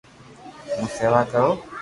ھون سيوا ڪرو